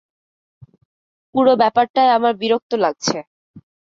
পুরো ব্যাপারটায় আমার বিরক্ত লাগছে।